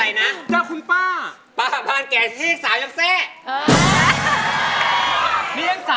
อายุ๒๔ปีวันนี้บุ๋มนะคะ